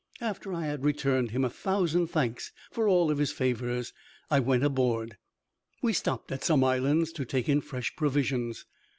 After I had returned him a thousand thanks for all his favors I went aboard. We stopped at some islands to take in fresh provisions.